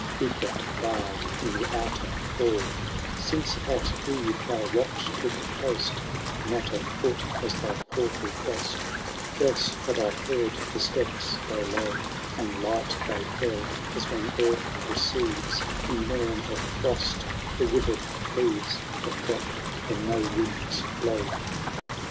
He kept guard in the outer hall, —" Since at eve our watch took post, Not a foot has thy portal crossed ; Else had I heard the steps, though low And light they fell, as when earth receives, In mom of frost, the withered leaves, That drop when no winds blow."